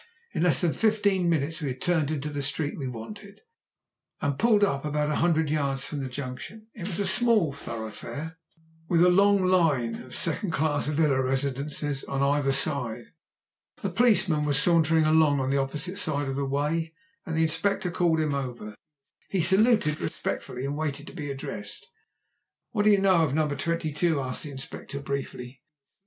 In less than fifteen minutes we had turned into the street we wanted, and pulled up about a hundred yards from the junction. It was a small thoroughfare, with a long line of second class villa residences on either side. A policeman was sauntering along on the opposite side of the way, and the Inspector called him over. He saluted respectfully, and waited to be addressed. "What do you know of number 22?" asked the Inspector briefly.